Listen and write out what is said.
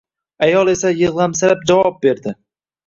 Ayol esa yigʻlamsirab javob berdi.